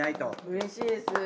うれしいです。